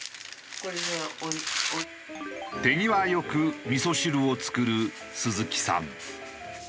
手際よくみそ汁を作る鈴木さん。